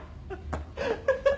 ハハハハ。